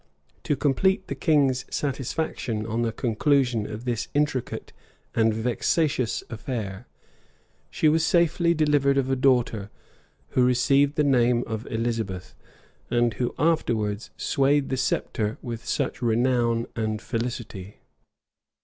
[*] To complete the king's satisfaction on the conclusion of this intricate and vexatious affair, she was safely delivered of a daughter, who received the name of Elizabeth, and who afterwards swayed the sceptre with such renown and felicity.